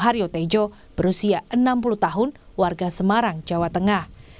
haryo tejo berusia enam puluh tahun warga semarang jawa tengah